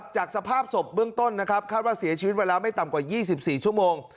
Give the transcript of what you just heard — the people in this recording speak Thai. จากสภาพศพเบื้องต้นนะครับคาดว่าเสียชีวิตมาแล้วไม่ต่ำกว่า๒๔ชั่วโมง